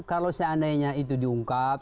kalau seandainya itu diungkap